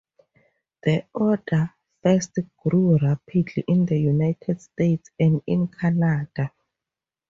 The Order first grew rapidly in the United States and in Canada.